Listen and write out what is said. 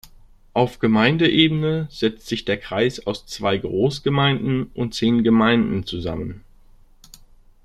Auf Gemeindeebene setzt sich der Kreis aus zwei Großgemeinden und zehn Gemeinden zusammen.